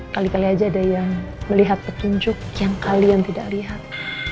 kali kali aja ada yang melihat petunjuk yang kalian tidak lihat